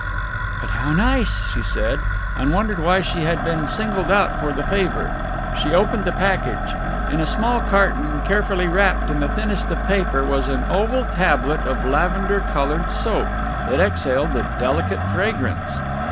"But how nice," she said, and wondered why she had been singled out for the favour. She opened the package. In a small carton, carefully wrapped in the thinnest of paper, was an oval tablet of lavender coloured soap that exhaled a delicate fragrance.